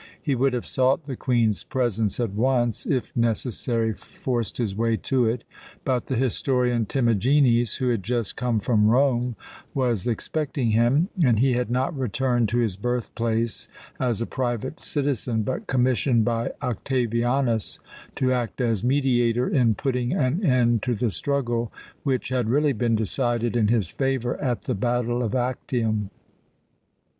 He would have sought the Queen's presence at once if necessary, forced his way to it; but the historian Timagenes, who had just come from Rome, was expecting him, and he had not returned to his birthplace as a private citizen, but commissioned by Octavianus to act as mediator in putting an end to the struggle which had really been decided in his favour at the battle of Actium.